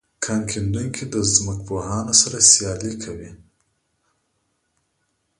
کان کیندونکي د ځمکپوهانو سره سیالي کوي